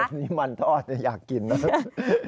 ส่วนนี้มันทอดอยากกินน่ะ